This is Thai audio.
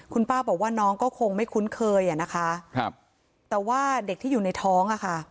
คุณป้าบอกว่าน้องก็คงไม่คุ้นเคยแต่ว่าเด็กที่อยู่ในท้อง